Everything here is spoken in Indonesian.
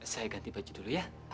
saya ganti baju dulu ya